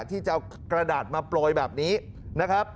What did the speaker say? ที่จะเอากระดาษมาโปรยแบบนี้นะครับ